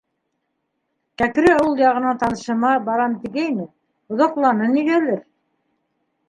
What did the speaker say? Кәкре ауыл яғына танышыма барам тигәйне, оҙаҡланы нигәлер.